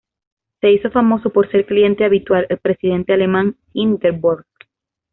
Se hizo famoso por ser cliente habitual el presidente alemán Hindenburg.